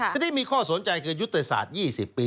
ทีนี้มีข้อสนใจคือยุทธศาสตร์๒๐ปี